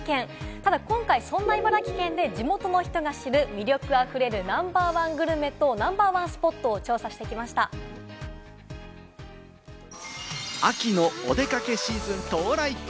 ただ、今回そんな茨城県で地元の人が知る魅力あふれるナンバー１グルメとナンバー１スポッ秋のお出かけシーズン到来。